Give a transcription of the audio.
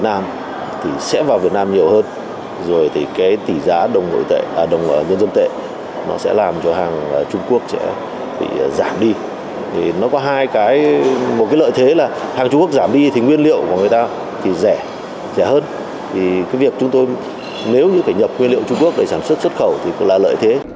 nếu như phải nhập nguyên liệu trung quốc để sản xuất xuất khẩu thì là lợi thế